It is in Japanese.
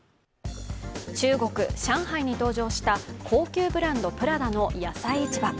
中国・上海に登場した高級ブランド・プラダの野菜市場。